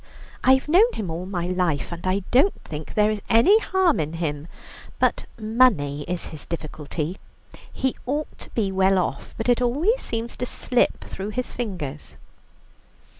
I've known him all my life, and I don't think there is any harm in him, but money is his difficulty. He ought to be well off, but it always seems to slip through his fingers."